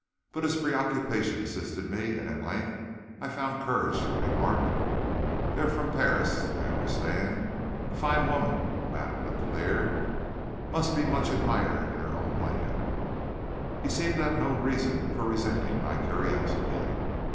But his preoccupation assisted me, and at length I found courage to remark: "They are from Paris, I understand. A fine woman, Madame Letellier. Must be much admired in her own land?" He seemed to have no reason for resenting my curiosity.